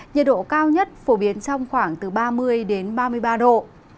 nhiệt độ cao nhất phổ biến trong khoảng từ ba mươi đến ba mươi ba độ